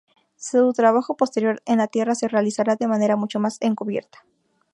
Su trabajo posterior en la tierra se realizará de manera mucho más encubierta.